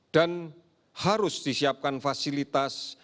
dan harus disiapkan fasilitas